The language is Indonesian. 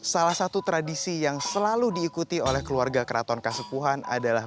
salah satu tradisi yang selalu diikuti oleh keluarga keraton kasepuhan adalah